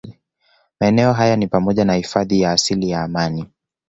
Maeneo hayo ni pamoja na hifadhi ya asili ya Amani